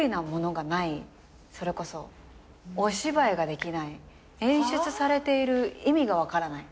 お芝居ができない演出されている意味が分からない。